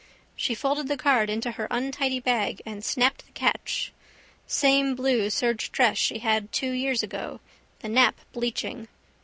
She folded the card into her untidy bag and snapped the catch. Same blue serge dress she had two years ago, the nap bleaching.